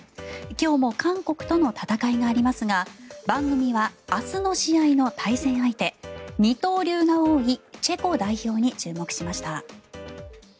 今日も韓国との戦いがありますが番組は明日の試合の対戦相手二刀流が多いチェコ代表に注目しました。